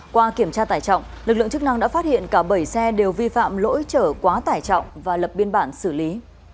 qua kiểm tra tải trọng lực lượng chức năng đã phát hiện cả bảy xe đều vi phạm lỗi chở quá tải trọng và lập biên bản xử lý